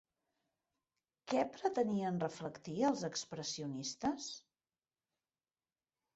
Què pretenien reflectir els expressionistes?